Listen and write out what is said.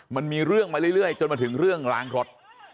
มันมีเรื่องมาเรื่อยจนมาถึงเรื่องล้างรถ